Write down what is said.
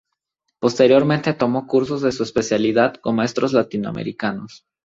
Posteriormente tomó cursos de su especialidad con maestros latinoamericanos.